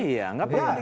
iya nggak pernah diganti